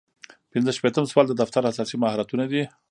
پنځه شپیتم سوال د دفتر اساسي مهارتونه دي.